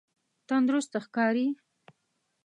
تندرسته ښکاری؟